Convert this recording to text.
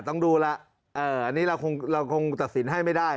ต้องดูแล้วอันนี้เราคงตัดสินให้ไม่ได้